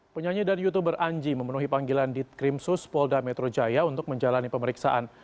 penyanyi dan youtuber anji memenuhi panggilan di krimsus polda metro jaya untuk menjalani pemeriksaan